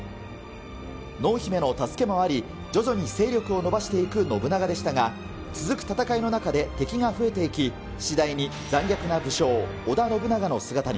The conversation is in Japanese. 濃姫の助けもあり、徐々に勢力を伸ばしていく信長でしたが、続く戦いの中で敵が増えていき、次第に残虐な武将、織田信長の姿に。